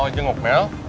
oh jenguk mel